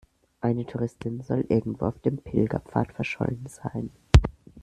Eine Touristin soll irgendwo auf dem Pilgerpfad verschollen sein.